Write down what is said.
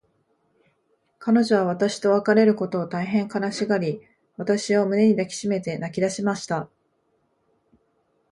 彼女は私と別れることを、大へん悲しがり、私を胸に抱きしめて泣きだしました。